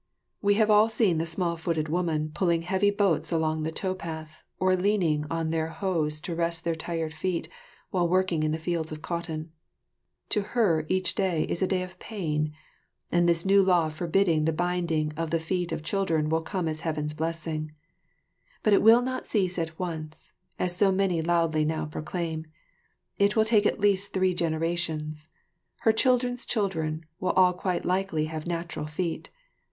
We have all seen the small footed woman pulling heavy boats along the tow path, or leaning on their hoes to rest their tired feet while working in the fields of cotton. To her each day is a day of pain; and this new law forbidding the binding of the feet of children will come as Heaven's blessing. But it will not cease at once, as so many loudly now proclaim. It will take at least three generations; her children's children will all quite likely have natural feet.